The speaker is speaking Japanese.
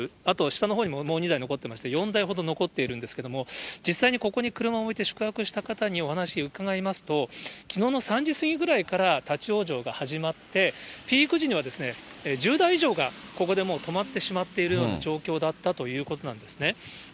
あと下のほうにももう２台残ってまして、４台ほど残っているんですけれども、実際にここに車を置いて宿泊した方にお話伺いますと、きのうの３時過ぎぐらいから立往生が始まって、ピーク時には１０台以上がここでもう止まってしまっているような状況だったということなんですね。